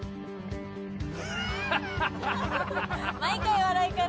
毎回笑いから。